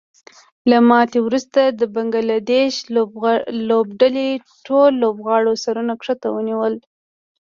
له ماتې وروسته د بنګلادیش لوبډلې ټولو لوبغاړو سرونه ښکته ونیول